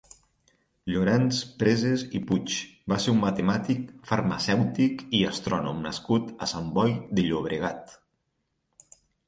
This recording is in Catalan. Llorenç Presas i Puig va ser un matemàtic, farmacèutic i astrònom nascut a Sant Boi de Llobregat.